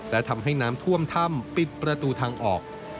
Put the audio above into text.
และทำให้น้ำท่วมถ้ำปิดประตูทางออก